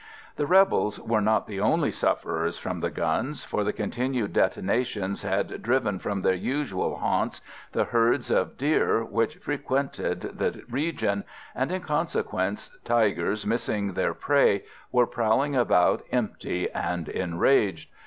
The rebels were not the only sufferers from the guns, for the continued detonations had driven from their usual haunts the herds of deer which frequented the region, and in consequence the tigers, missing their prey, were prowling about empty and enraged.